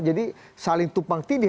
jadi saling tupang tidih